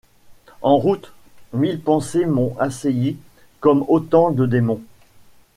En route, mille pensées m’ont assaillie comme autant de démons.